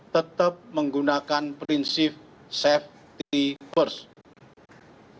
tetap menggunakan prinsip safety first